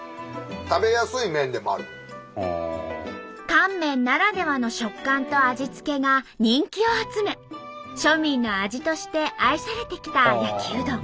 乾麺ならではの食感と味付けが人気を集め庶民の味として愛されてきた焼うどん。